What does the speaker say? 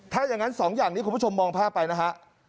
ถ้าอย่างนั้น๒อย่างนี้คุณผู้ชมมองภาพไปนะฮะ